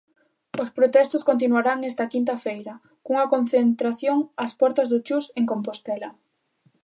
Os protestos continuarán esta quinta feira, cunha concentración ás portas do Chus en Compostela.